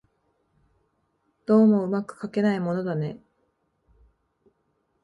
どうも巧くかけないものだね